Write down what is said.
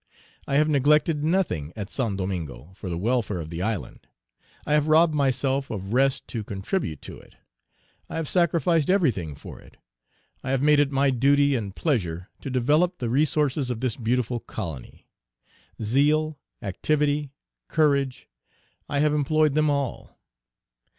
I have neglected nothing at Saint Domingo for the welfare of the island; I have robbed myself of rest to contribute to it; I have sacrificed everything for it. I have made it my duty and pleasure to develop the resources of this beautiful colony. Zeal, activity, courage, I have employed them all.